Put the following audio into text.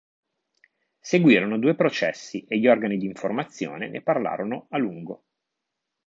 Seguirono due processi e gli organi di informazione ne parlarono a lungo.